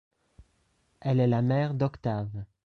Elle est la mère d'Octave.